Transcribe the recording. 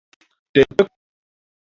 Captain, কৌতুক পছন্দ করেন?